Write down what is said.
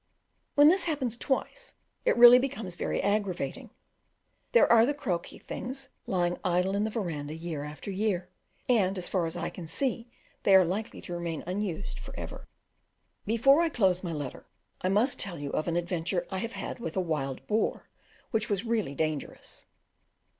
When this happens twice, it really becomes very aggravating: there are the croquet things lying idle in the verandah year after year, and, as far as I can see, they are likely to remain unused for ever. Before I close my letter I must tell you of an adventure I have had with a wild boar, which was really dangerous.